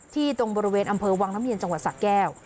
ตรงบริเวณอำเภอวังน้ำเย็นจังหวัดสะแก้ว